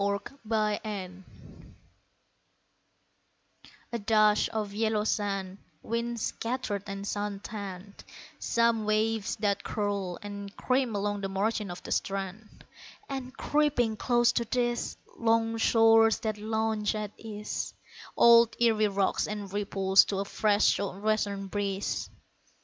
ERIE WATERS A dash of yellow sand, Wind scattered and sun tanned; Some waves that curl and cream along the margin of the strand; And, creeping close to these Long shores that lounge at ease, Old Erie rocks and ripples to a fresh sou' western breeze.